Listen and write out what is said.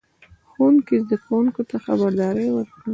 ښوونکي زده کوونکو ته خبرداری ورکړ.